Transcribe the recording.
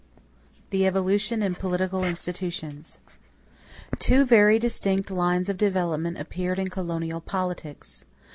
THE EVOLUTION IN POLITICAL INSTITUTIONS Two very distinct lines of development appeared in colonial politics.